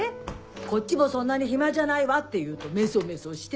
こっちもそんなにヒマじゃないわって言うとメソメソして。